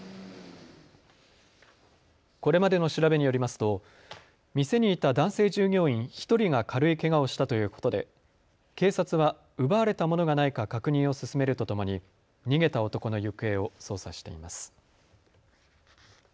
これまでの調べによりますと店にいた男性従業員１人が軽いけがをしたということで警察は奪われたものがないか確認を進めるとともに逃げた男の行方を捜査しています。